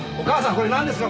これなんですか？